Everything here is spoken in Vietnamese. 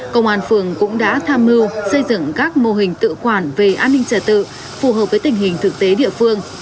công an phường cũng đã tham mưu xây dựng các mô hình tự quản về an ninh trả tự phù hợp với tình hình thực tế địa phương